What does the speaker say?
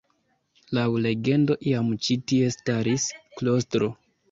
Laŭ legendo iam ĉi tie staris klostro.